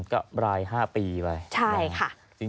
ก็ราย๕ปีไป